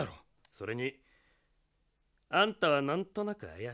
それにあんたはなんとなくあやしい。